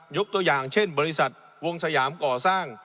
ยกตัวอย่างเช่นบริษัทวงสยามก่อสร้าง